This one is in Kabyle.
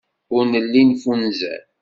Ur nelli neffunzer.